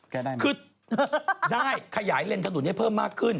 แก้ได้ไหมคือได้ขยายเลนส์ถนนให้เพิ่มมากขึ้น